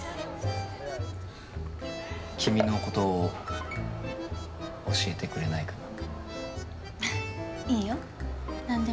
君の事を教えてくれないかな。